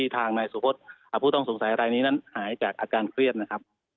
ทางนายสุพศผู้ต้องสงสัยรายนี้นั้นหายจากอาการเครียดนะครับ